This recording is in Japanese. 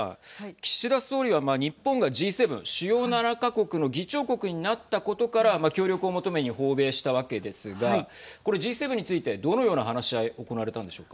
岸田総理は日本が、Ｇ７＝主要７か国の議長国になったことから協力を求めに訪米したわけですがこれＧ７についてどのような話し合い行われたんでしょうか。